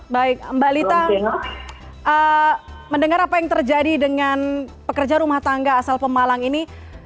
baik mbak lita mendengar apa yang terjadi dengan pekerja rumah tangga asal pemalang ini